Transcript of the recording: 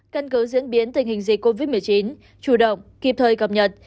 căn cứ diễn biến tình hình dịch covid một mươi chín chủ động kịp thời cập nhật